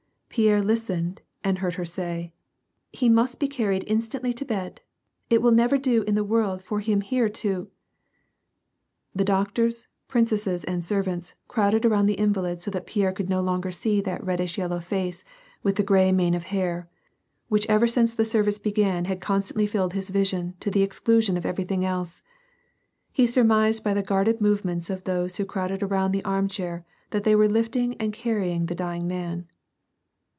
Pierre listened, and heard her say, — "He must be carried instantly to bed; it will never do in the world for him here to "— The doctors, princesses and servants, crowded around the invalid so that Pierre could no longer see that reddish yellow face with the gray mane of hair, which ever since the service 96 1VAR AND PEAC£!. began had constantly filled his vision to the exclusion of everything else. He surmised by the guarded movements of those who crowded around the arm chair that they were lift ing and carrying the dying man.